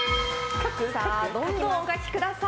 どんどんお書きください。